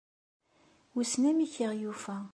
Wissen amek i aɣ-yufa ?